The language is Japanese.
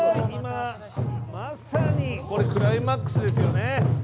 今、まさにクライマックスですよね。